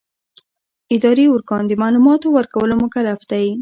اداري ارګان د معلوماتو ورکولو مکلف دی.